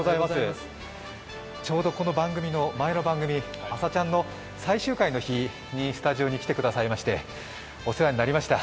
ちょうどこの番組の前の番組「あさチャン！」の最終回の日にスタジオに来てくださいましてお世話になりました。